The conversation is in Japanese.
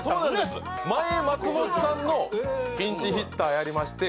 前松本さんのピンチヒッターやりまして